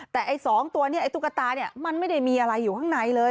แต่ไอ้๒ตัวนี้ไอ้ตุ๊กตาเนี่ยมันไม่ได้มีอะไรอยู่ข้างในเลย